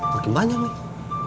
b engagements ya ini